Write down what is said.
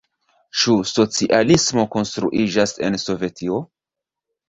Ĉu socialismo konstruiĝas en Sovetio?